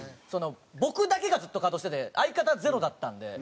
僕だけがずっと稼働してて相方は０だったんで。